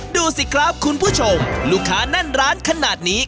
ดูสิครับคุณผู้ชมลูกค้าแน่นร้านขนาดนี้